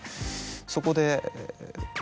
そこで。